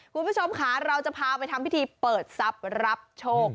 คุณผู้ชมค่ะเราจะพาไปทำพิธีเปิดทรัพย์รับโชค